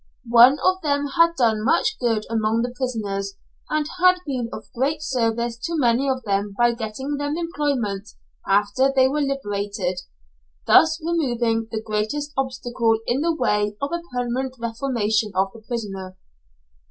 One of them had done much good among the prisoners, and had been of great service to many of them by getting them employment after they were liberated; thus removing the greatest obstacle in the way of a permanent reformation of the prisoner.